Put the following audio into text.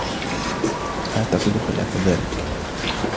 اعتقد خلاف ذلك.